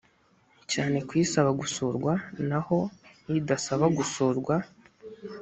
cyane ku isaba gusurwa naho idasaba gusurwa